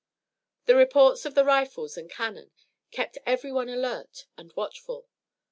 The reports of the rifles and cannon kept every one alert and watchful.